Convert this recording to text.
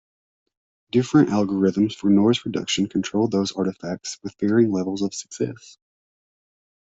Different algorithms for noise reduction control these artifacts with varying levels of success.